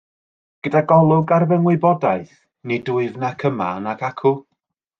Gyda golwg ar fy ngwybodaeth, nid wyf nac yma nac acw.